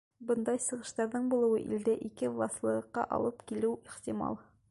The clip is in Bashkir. Бындай сығыштарҙың булыуы илдә ике власлылыҡҡа алып килеүе ихтимал.